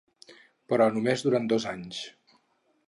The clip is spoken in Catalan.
Però només durant dos anys.